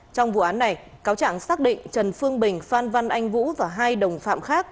trong vụ án này cáo trạng xác định trần phương bình phan văn anh vũ và hai đồng phạm khác